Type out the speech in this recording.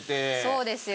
そうですよ。